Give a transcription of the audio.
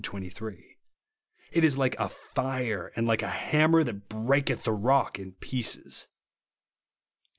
23) ; it is "like a fire, and like a hammer that breaketh the rock in pieces," (Jer.